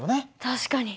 確かに。